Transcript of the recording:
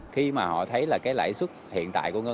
khi mà họ thấy là cái lãi suất hiện tại của ngân hàng